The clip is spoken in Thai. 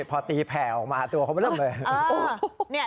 พอตีแผ่ออกมาตัวเขาเริ่มเลย